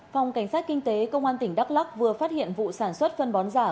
phòng cảnh sát kinh tế công an tỉnh đắk lắc vừa phát hiện vụ sản xuất phân bón giả